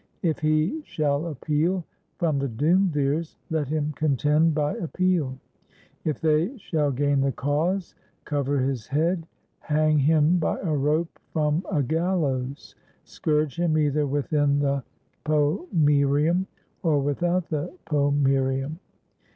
If he shall appeal from the duumvirs, let him contend by appeal; if they shall gain the cause, cover his head; hang him by a rope from a gallows; scourge him either within the pomcerium or without the pomcerium.